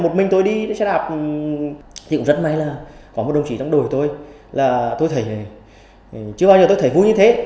một mình tôi đi xe đạp nhưng rất may là có một đồng chí trong đội tôi là tôi thấy chưa bao giờ tôi thấy vui như thế